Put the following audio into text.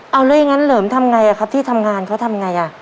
เอาแล้วอย่างนั้นเหลิมทำไงครับที่ทำงานเขาทำไงอ่ะ